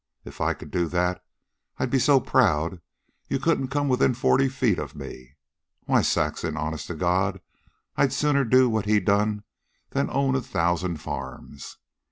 If I could do that I'd be so proud you couldn't come within forty feet of me. Why, Saxon, honest to God, I'd sooner do what he done than own a thousan' farms.